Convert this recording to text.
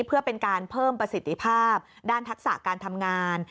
เพื่อเป็นการเพิ่มประสิทธิภาพด้านทักษะการทำงาน